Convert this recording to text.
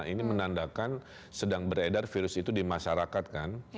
ini menandakan sedang beredar virus itu dimasyarakatkan